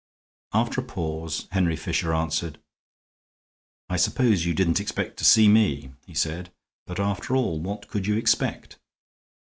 After a pause Henry Fisher answered: "I suppose you didn't expect to see me," he said. "But, after all, what could you expect?"'